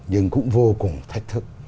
nhưng cũng vô cùng thách thức